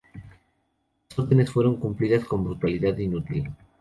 Las órdenes fueron cumplidas con brutalidad inútil.